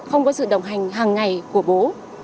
không có sự đồng hành hàng ngày của bố